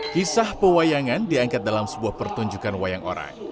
kisah pewayangan diangkat dalam sebuah pertunjukan wayang orang